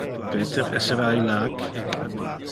Peter essera illac?